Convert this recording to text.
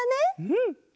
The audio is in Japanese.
うん！